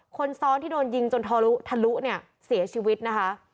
คนซ้อนที่โดนยิงจนทะลุทะลุเนี่ยเสียชีวิตนะคะ